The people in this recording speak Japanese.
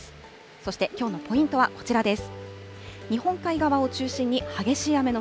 そしてきょうのポイントはこちらです。